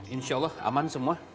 insya allah aman semua